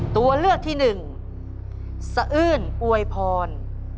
ตัวเลือกที่หนึ่งสะอื้นอวยพร